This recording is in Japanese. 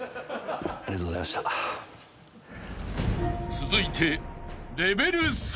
［続いて］